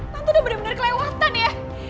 tante udah bener bener kelewatan ya